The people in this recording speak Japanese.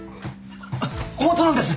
あっ本当なんです！